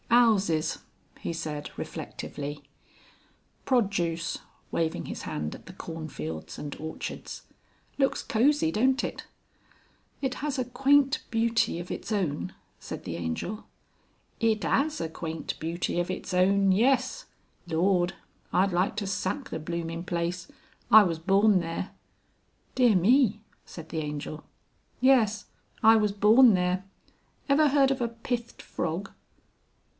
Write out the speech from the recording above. "'Ouses," he said reflectively; "Projuce" waving his hand at the cornfields and orchards. "Looks cosy, don't it?" "It has a quaint beauty of its own," said the Angel. "It 'as a quaint beauty of its own yes.... Lord! I'd like to sack the blooming place.... I was born there." "Dear me," said the Angel. "Yes, I was born there. Ever heard of a pithed frog?"